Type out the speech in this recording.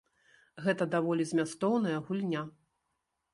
Гэта даволі змястоўная гульня.